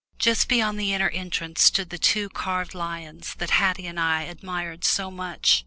Just beyond the inner entrance stood the two carved lions that Haddie and I admired so much.